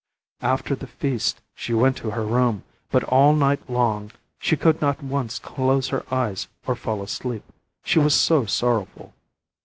After the feast she went to her room, but all night long she could not once close her eyes or fall asleep, she was so sorrowful.